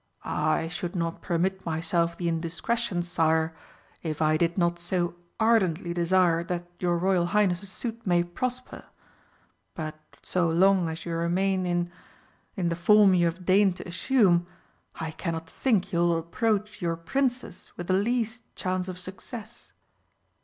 "I should not permit myself the indiscretion, Sire, if I did not so ardently desire that your Royal Highness's suit may prosper. But, so long as you remain in in the form you have deigned to assume, I cannot think you will approach your Princess with the least chance of success!"